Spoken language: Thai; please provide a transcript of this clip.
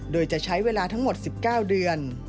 โดยจะใช้เวลาทั้งหมด๑๙เดือน